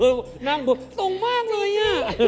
ดูหนั้งเขาตรงมากเลยอ่ะ